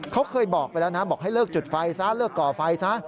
เขาเคยบอกไปแล้วนะบอกให้เลิกจุดไฟซะเลิกก่อไฟซะ